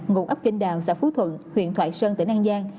ngụ ấp kinh đào xã phú thuận huyện thoại sơn tỉnh an giang